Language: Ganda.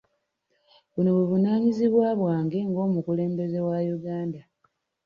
Buno buvunaanyizibwa bwange ng'omukulembeze wa Uganda